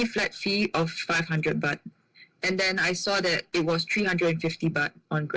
เขาบอกว่า๔๐๐บาทแต่ไม่มีทางทาง